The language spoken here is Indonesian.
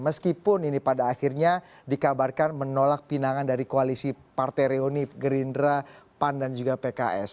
meskipun ini pada akhirnya dikabarkan menolak pinangan dari koalisi partai reoni gerindra pan dan juga pks